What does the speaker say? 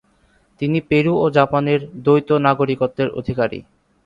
তিনি পেরু ও জাপানের দ্বৈত নাগরিকত্বের অধিকারী।